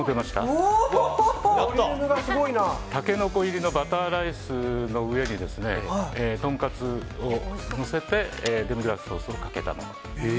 タケノコ入りのバターライスの上にトンカツをのせてデミグラスソースをかけたもの。